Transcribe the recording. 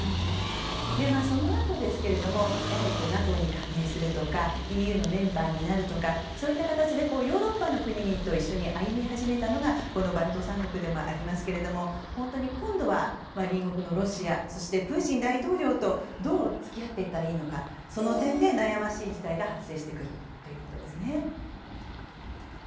そのあとＮＡＴＯに加盟するとかＥＵのメンバーになるとかそういった形でヨーロッパの国々と一緒に歩み始めたのがこのバルト三国でもありますが本当に今度は隣国のロシアそして、プーチン大統領とどう付き合っていったらいいのかその点で悩ましい事態が発生してくるということです。